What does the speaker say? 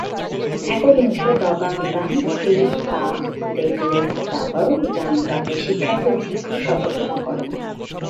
একবিংশ দ্গা'-ল্দান-খ্রি-পা দ্গে-লেগ্স-দ্পাল-ব্জাং তাকে শিক্ষার্থী ও ভিক্ষুর শপথ দান করেন।